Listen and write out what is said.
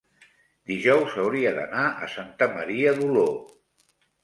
dijous hauria d'anar a Santa Maria d'Oló.